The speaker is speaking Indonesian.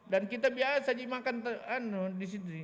dan kita biasanya makan di sini